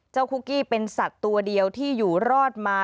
คุกกี้เป็นสัตว์ตัวเดียวที่อยู่รอดมา